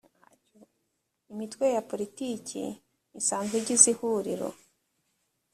imitwe ya politiki isanzwe igize ihuriro.